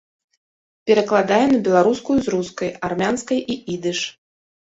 Перакладае на беларускую з рускай, армянскай і ідыш.